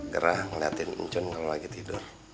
gerah ngeliatin ncun kalo lagi tidur